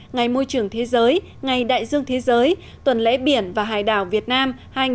ngày môi trường thế giới ngày đại dương thế giới tuần lễ biển và hải đảo việt nam hai nghìn hai mươi